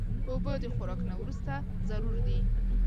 اوبه د خوراک نه وروسته ضرور دي.